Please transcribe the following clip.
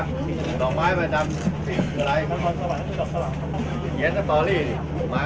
เมืองอัศวินธรรมดาคือสถานที่สุดท้ายของเมืองอัศวินธรรมดา